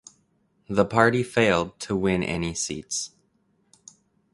The party failed to win any seats.